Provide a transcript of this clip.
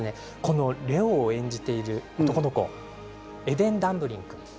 レオを演じている男の子エデン・ダンブリン君